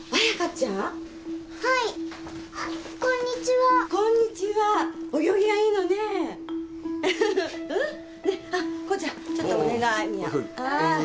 ちゃんちょっとお願い。